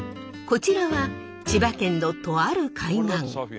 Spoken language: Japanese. こちらは千葉県のとある海岸。